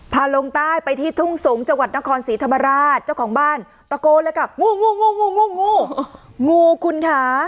ลงใต้ไปที่ทุ่งสงศ์จังหวัดนครศรีธรรมราชเจ้าของบ้านตะโกนเลยค่ะงูงูคุณค่ะ